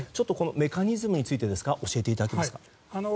メカニズムについて教えていただけますか？